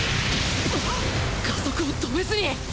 加速を止めずに！